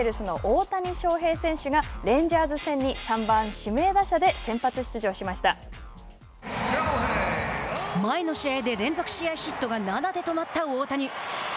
エンジェルスの大谷翔平選手がレンジャーズ戦に３番指名打者で前の試合で連続試合ヒットが７で止まった大谷。